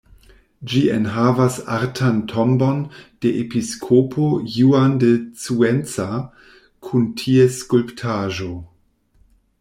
Ĝi enhavas artan tombon de episkopo Juan de Cuenca kun ties skulptaĵo.